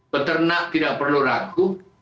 peternak tidak perlu ragu